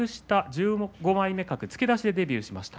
１５枚目格付け出しでデビューしました。